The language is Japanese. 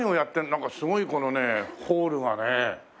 なんかすごいこのねホールがね